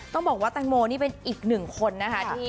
ต้องบอกว่าแตงโมนี่เป็นอีกหนึ่งคนนะคะ